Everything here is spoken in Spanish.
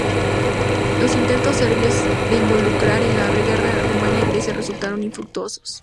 Los intentos serbios de involucrar en la guerra a Rumanía y Grecia resultaron infructuosos.